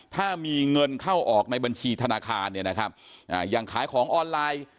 ถ้ามีเงินเข้าออกในบัญชีธนาคารเนี่ยนะครับอย่างขายของออนไลน์